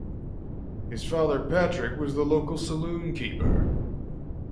His father Patrick was the local saloon keeper.